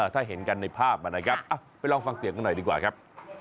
ถ้าเห็นกันในภาพนะครับไปลองฟังเสียงกันหน่อยดีกว่าครับ